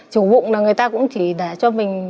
chủ vụng là người ta cũng chỉ để cho mình